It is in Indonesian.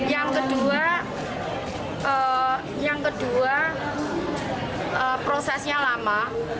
yang kedua prosesnya lama